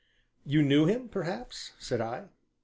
"You knew him perhaps?" said I.